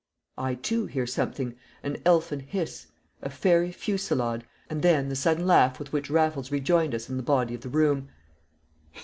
I, too, hear something, an elfin hiss, a fairy fusillade, and then the sudden laugh with which Raffles rejoined us in the body of the room.